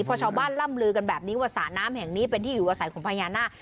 เพราะชาวบ้านล่ำลือกันแบบนี้ว่าสระน้ำแห่งนี้เป็นที่อยู่อาศัยของพญานาค